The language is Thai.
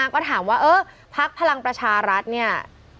ก็ถามว่าเออพักพลังประชารัฐเนี่ย